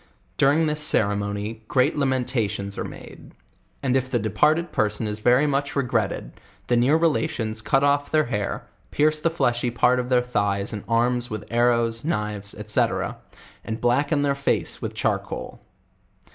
Durirg this ceremony, great la mentioES are made; and if the departed person is very much regretted, the near relations cut oft" their hair, pierce the fleshy part of their thighs and arms with arrows, knives, &c. and blacken their face with charcoal.